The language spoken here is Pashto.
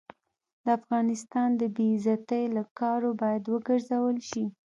د افغانستان د بې عزتۍ له کارو باید وګرزول شي.